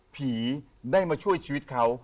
ผีได้มาช่วยชีวิตเขา